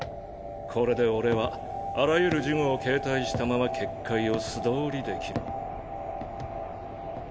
これで俺はあらゆる呪具を携帯したまま結界を素通りできる。